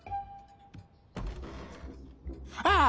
ああ！